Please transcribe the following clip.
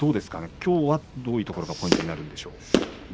きょうはどういうところがポイントになるんでしょう？